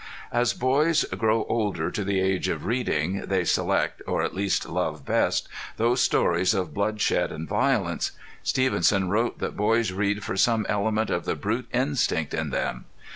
As boys grow older to the age of reading they select, or at least love best, those stories of bloodshed and violence. Stevenson wrote that boys read for some element of the brute instinct in them.